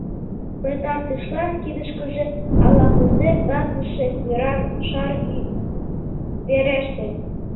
Пытартышлан кидышкыже ала-кузе катлыше тӱран шаргӱ вереште.